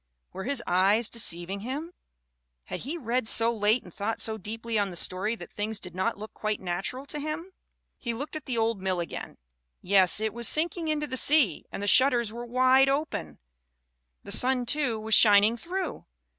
Were his eyes deceiving him? Had he read so late anjd thought so deeply on the story that things did not look quite natural to him? He looked at the old mill again. Yes, it was sinking into the sea and the shutters were wide open! The sun, too, was shining through.